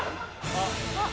あっ。